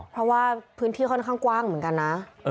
เพราะว่าพื้นที่ค่อนข้างกว้างเหมือนกันนะ